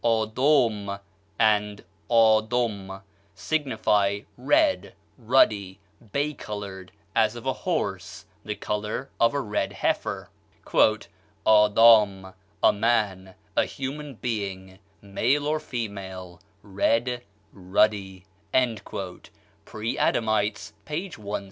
ÂDôM and ÂDOM signifies red, ruddy, bay colored, as of a horse, the color of a red heifer. "ÂDâM, a man, a human being, male or female, red, ruddy." ("Preadamites," p. 161.)